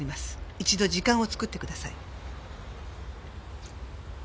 「一度時間を作ってください」